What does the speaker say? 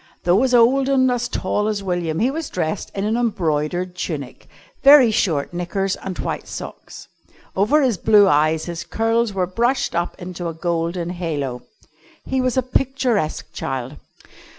Though as old and as tall as William, he was dressed in an embroidered tunic, very short knickers, and white socks. Over his blue eyes his curls were brushed up into a golden halo. He was a picturesque child.